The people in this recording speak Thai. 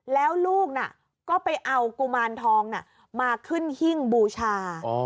แล้วลูกน่ะก็ไปเอากุมารทองมาขึ้นหิ้งบูชา